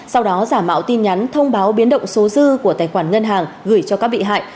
sau đó giả mạo tin nhắn thông báo biến động số dư của tài khoản ngân hàng gửi cho các bị hại